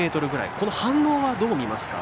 反応は、どう見ますか？